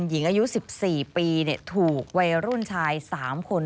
หญิงอายุสิบสี่ปีเนี่ยถูกวัยรุ่นชายสามคน